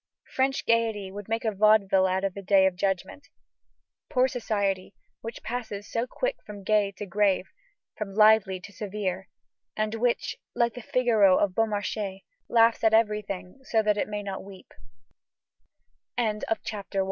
French gaiety would make a vaudeville out of the day of judgment. Poor society, which passes so quick from gay to grave, from lively to severe, and which, like the Figaro of Beaumarchais, laughs at everythi